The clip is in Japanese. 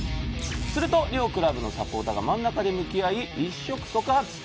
すると両クラブのサポーターが真ん中で向き合い一触即発。